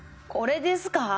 これですか？